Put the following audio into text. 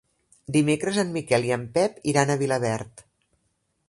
Dimecres en Miquel i en Pep iran a Vilaverd.